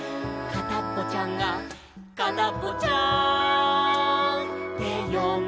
「かたっぽちゃんとかたっぽちゃん